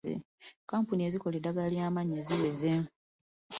Kkampuni ezikola eddagala ly'amannyo ziweze.